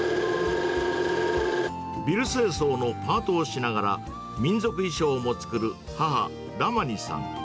ビル清掃のパートをしながら、民族衣装も作る母、ラマニさん。